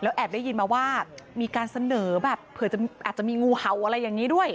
แอบได้ยินมาว่ามีการเสนอแบบเผื่ออาจจะมีงูเห่าอะไรอย่างนี้ด้วย